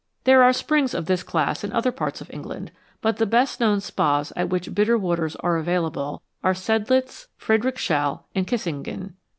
There are springs of this class in other parts of England, but the best known spas at which bitter waters are available are Sedlitz, Friedrichshall, and Kissingen.